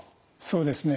そうですね